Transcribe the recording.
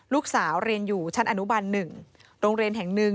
ลูกสาวเรียนอยู่ชั้นอนุบัน๑โรงเรียนแห่งหนึ่ง